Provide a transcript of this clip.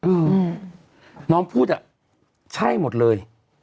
อืมน้องพูดอ่ะใช่หมดเลย